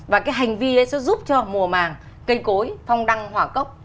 và cái hành vi ấy sẽ giúp cho mùa màng kênh cối phong đăng hỏa cốc